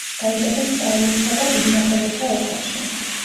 დაიბადა სწავლულთა და დიდმოხელეთა ოჯახში.